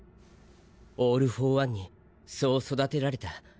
オール・フォー・ワンにそう育てられた。